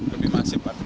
lebih masif pak